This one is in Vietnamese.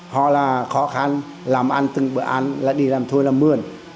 họ là khó khăn làm ăn từng bữa ăn đi làm thuê làm mươn